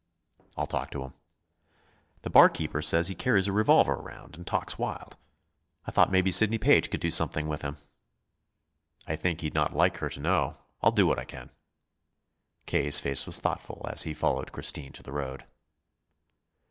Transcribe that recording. "I'll talk to him." "The barkeeper says he carries a revolver around, and talks wild. I thought maybe Sidney Page could do something with him." "I think he'd not like her to know. I'll do what I can." K.'s face was thoughtful as he followed Christine to the road.